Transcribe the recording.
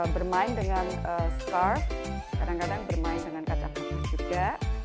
bermain dengan scarf kadang kadang bermain dengan kaca kakak juga